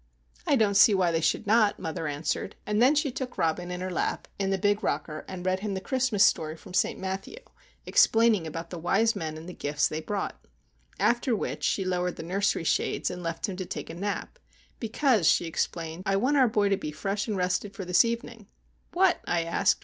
"I don't see why they should not," mother answered, and then she took Robin in her lap in the big rocker, and read him the Christmas story from St. Matthew, explaining about the Wise Men and the gifts they brought. After which she lowered the nursery shades, and left him to take a nap, "because," she explained, "I want our boy to be fresh and rested for this evening." "What?" I asked.